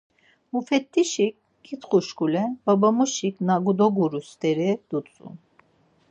Mufet̆t̆işik ǩitxuşkule babamuşik na doguru steri dutzu.